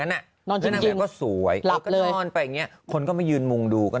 นั้นนอนจริงก็สวยก็นอนไปอย่างนี้คนก็มายืนมุงดูก็